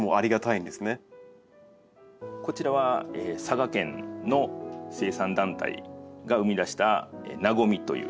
こちらは佐賀県の生産団体が生み出した「和」という。